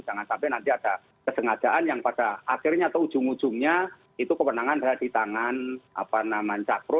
jangan sampai nanti ada kesengajaan yang pada akhirnya atau ujung ujungnya itu kewenangan ada di tangan cakro